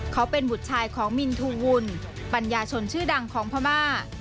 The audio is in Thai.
เขาเป็นบุตรชายของมินทูวุลปัญญาชนชื่อดังของพม่า